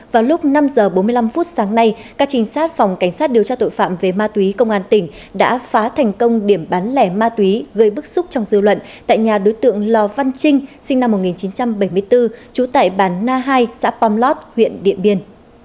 vào lúc năm h bốn mươi năm phút sáng nay các trinh sát phòng cảnh sát điều tra tội phạm về ma túy công an tỉnh đã phá thành công điểm bán lẻ ma túy gây bức xúc trong dư luận tại nhà đối tượng lò văn trinh sinh năm một nghìn chín trăm bảy mươi bốn trú tại bàn na hai xã pomlot huyện điện biên